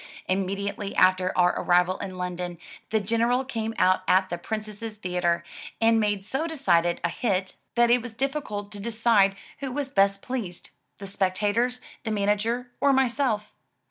Immediately after our arrival in London, the General came out at the Princess's Theatre, and made so decided a hit" that i64 THE TREASURE CHEST it was difficult to decide who was best pleased, the spectators, the manager, or myself.